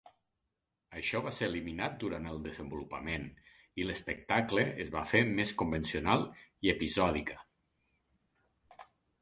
Això va ser eliminat durant el desenvolupament, i l'espectacle es va fer més convencional i episòdica.